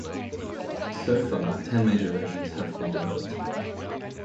So far, ten major versions have been developed.